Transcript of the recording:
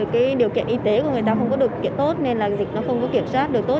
cái điều kiện y tế của người ta không có điều kiện tốt nên là dịch nó không có kiểm soát được tốt